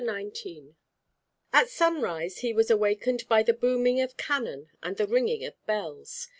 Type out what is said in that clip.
XIX At sunrise he was awakened by the booming of cannon and the ringing of bells.